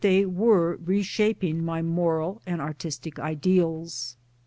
DREAMS they were re shaping my moral and artistic ideals.